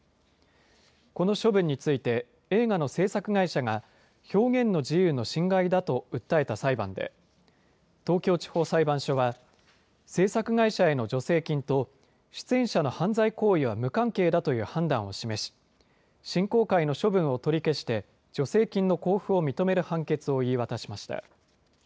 この処分について、映画の製作会社が表現の自由の侵害だと訴えた裁判で、東京地方裁判所は、製作会社への助成金と出演者の犯罪行為は無関係だという判断を示し、振興会の処分を取り消して、助成金の交付を認める判決を言い渡しました。